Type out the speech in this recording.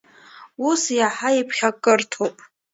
Ус иаҳа иԥхьакырҭоуп!